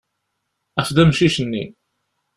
Af-d amcic-nni.